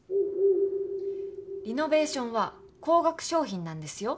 リノベーションは高額商品なんですよ？